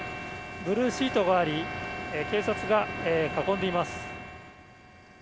ブルーシートがあり警察が囲んでいます。